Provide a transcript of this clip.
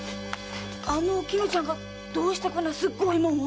あのおきぬちゃんがどうしてこんなすっごいもんを？